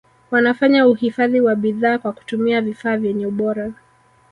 wanafanya uhifadhi wa bidhaa kwa kutumia vifaa vyenye ubora